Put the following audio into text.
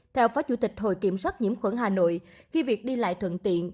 theo phó chủ tịch hội kiểm soát nhiễm khuẩn hà nội khi việc đi lại thuận tiện